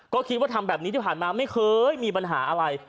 ก็คิดว่าทำแบบนี้ที่ผ่านมาไม่เคยมีปัญหาอะไร